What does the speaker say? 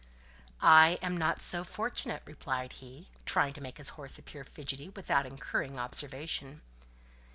"I am not so fortunate," replied he, trying to make his horse appear fidgety, without incurring observation.